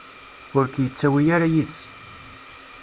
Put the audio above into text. Ur k-yettawi ara yid-s.